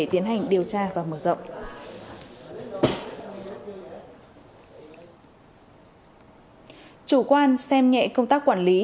tiến hành điều tra và mở rộng chủ quan xem nhẹ công tác quản lý